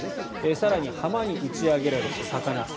更に、浜に打ち上げられた魚。